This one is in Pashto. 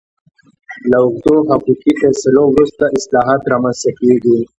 له اوږدو حقوقي فیصلو وروسته اصلاحات رامنځته کېږي.